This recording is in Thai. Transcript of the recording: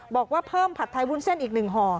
บอกว่าเพิ่มผัดไทยวุ้นเส้นอีก๑ห่อ